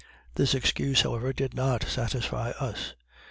This excuse, however, did not satisfy us.